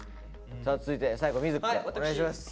さあ続いて最後瑞稀くんお願いします。